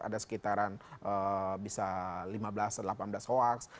ada sekitaran bisa lima belas delapan belas hoax